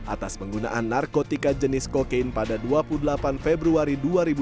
atas penggunaan narkotika jenis kokain pada dua puluh delapan februari dua ribu dua puluh